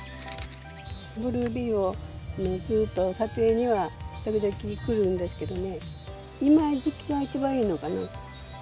ブルービーをずっと撮影には時々来るんですけどね、今の時期が一番いいのかな。